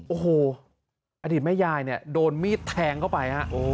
โอ้โหอดีตแม่ยายเนี่ยโดนมีดแทงเข้าไปฮะ